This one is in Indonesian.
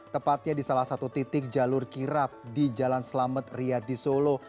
tepatnya di salah satu titik jalur kirap di jalan selamat riyadi solo